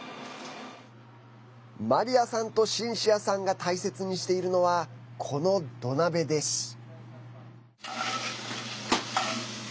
マリアさんとシンシアさんが大切にしているのはこの土鍋です。